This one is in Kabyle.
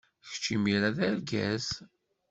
Kečč imir-a d argaz.